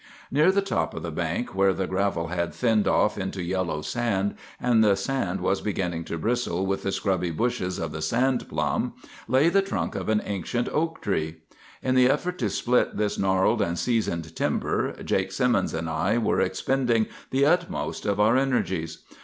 "Near the top of the bank, where the gravel had thinned off into yellow sand, and the sand was beginning to bristle with the scrubby bushes of the sand plum, lay the trunk of an ancient oak tree. In the effort to split this gnarled and seasoned timber, Jake Simmons and I were expending the utmost of our energies.